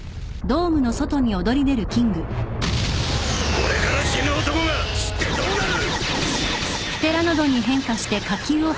これから死ぬ男が知ってどうなる！